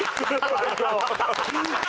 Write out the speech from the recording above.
最高！